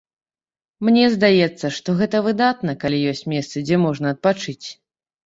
Мне здаецца, што гэта выдатна, калі ёсць месцы, дзе можна адпачыць.